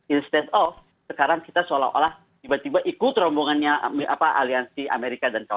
instead of sekarang kita seolah olah tiba tiba ikut rombongannya aliansi as